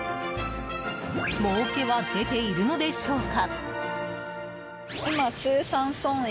もうけは出ているのでしょうか？